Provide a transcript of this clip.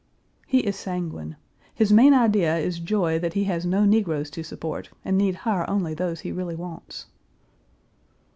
He is sanguine. His main idea is joy that he has no negroes to support, and need hire only those he really wants.